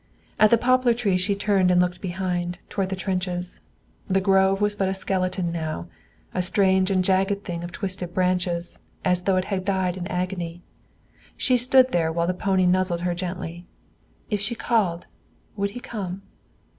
At the poplar trees she turned and looked behind, toward the trenches. The grove was but a skeleton now, a strange and jagged thing of twisted branches, as though it had died in agony. She stood there while the pony nuzzled her gently. If she called, would he come?